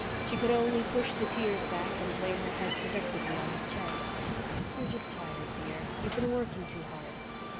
She could only push the tears back and lay her head seductively on his chest. "You're just tired, dear. You've been working too hard."